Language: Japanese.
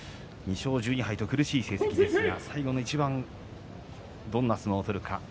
２勝１２敗と苦しい成績ですが最後の一番どんな相撲を取るか。